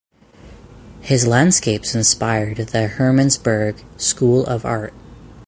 His landscapes inspired the Hermannsburg School of art.